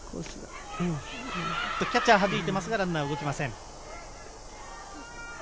キャッチャーはじいていますがランナーは動きません。